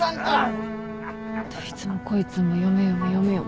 どいつもこいつも嫁嫁嫁嫁。